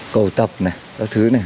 cầu tập các thứ này